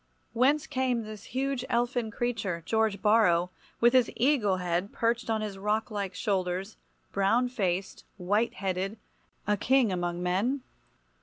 Whence came this huge elfin creature, George Borrow, with his eagle head perched on his rocklike shoulders, brown faced, white headed, a king among men?